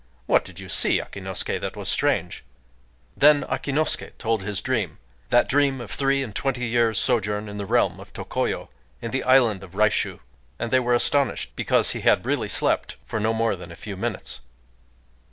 "What did you see, Akinosuké, that was strange?" Then Akinosuké told his dream,—that dream of three and twenty years' sojourn in the realm of Tokoyo, in the island of Raishū;—and they were astonished, because he had really slept for no more than a few minutes.